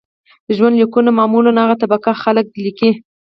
ژوند لیکونه معمولاً هغه طبقه خلک لیکي.